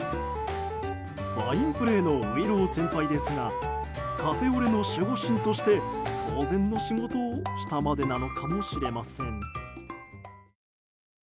ファインプレーのういろう先輩ですがカフェオレの守護神として当然の仕事をしたまでなのかもしれません。